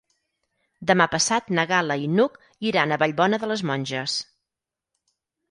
Demà passat na Gal·la i n'Hug iran a Vallbona de les Monges.